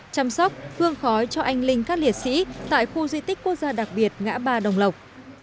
chăm sóc phương khói cho anh linh các liệt sĩ tại khu di tích quốc gia đặc biệt ngã ba đồng lộc